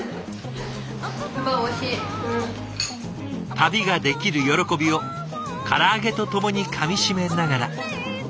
旅ができる喜びをから揚げとともにかみしめながら。